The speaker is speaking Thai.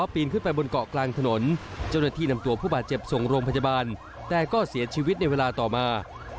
ผู้โมงอาทิบันแต่ก็เสียชีวิตในเวลาต่อมา